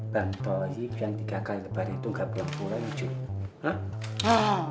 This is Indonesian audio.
bang toib yang tiga kali lebar itu enggak beli yang pulang jum